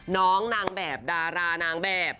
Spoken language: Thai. น้องนางแบบดารานางแบบ